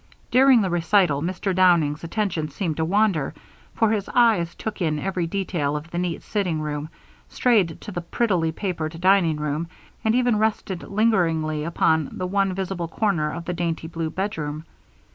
During the recital Mr. Downing's attention seemed to wander, for his eyes took in every detail of the neat sitting room, strayed to the prettily papered dining room, and even rested lingeringly upon the one visible corner of the dainty blue bedroom.